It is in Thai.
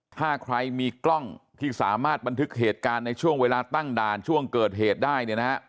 ถ้าใครมีกล้องที่สามารถบันทึกเหตุการณ์ในช่วงเวลาตั้งด่านช่วงเกิดเหตุได้เนี่ยนะฮะ